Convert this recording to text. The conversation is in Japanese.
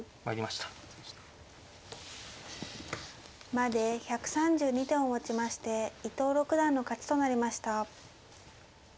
まで１３２手をもちまして伊藤六段の勝ちとなりました。